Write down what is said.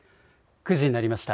９時になりました。